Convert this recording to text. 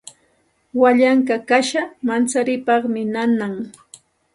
Wallankuy kasha mancharipaqmi nanan.